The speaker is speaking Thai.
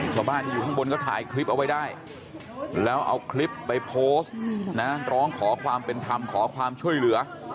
ชาวบ้านที่อยู่ข้างบนก็ถ่ายคลิปเอาไว้ได้แล้วเอาคลิปไปโพสต์นะร้องขอความเป็นธรรมขอความช่วยเหลือ